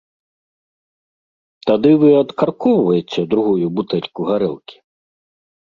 Тады вы адкаркоўваеце другую бутэльку гарэлкі.